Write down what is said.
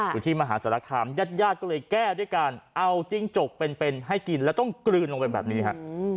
อยู่ที่มหาศาลคามญาติญาติก็เลยแก้ด้วยการเอาจิ้งจกเป็นให้กินแล้วต้องกลืนลงไปแบบนี้ฮะ